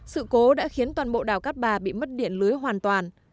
sự cố đã khiến toàn bộ đảo cát bà bị mất điện lưới hoàn toàn